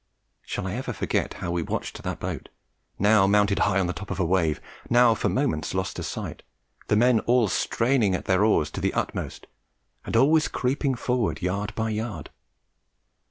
Shall I ever forget how we watched that boat, now mounted high on the top of a wave, now for moments lost to sight, the men all straining at their oars to the utmost, and always creeping forward yard by yard?